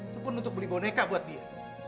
itu pun untuk beli boneka buat dia